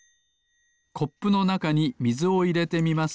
コップのなかにみずをいれてみます。